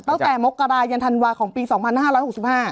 ตั้งแต่มกราศ์เย็นธันวาค์ของปีสองพันห้าร้ายหกสิบห้า